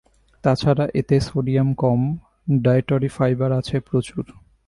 তা ছাড়া এতে সোডিয়াম কম, ডায়েটরি ফাইবার আছে প্রচুর।